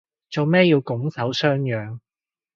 做咩要拱手相讓